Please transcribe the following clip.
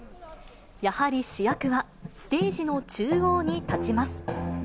やはり主役は、ステージの中央に立ちます。